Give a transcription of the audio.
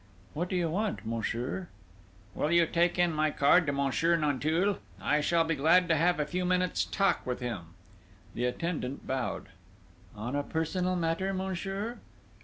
"What do you want, monsieur?" "Will you take in my card to Monsieur Nanteuil? I should be glad to have a few minutes' talk with him." The attendant bowed. "On a personal matter, monsieur?"